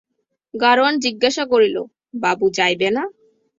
গাড়োয়ান জিজ্ঞাসা করিল, বাবু যাইবে না?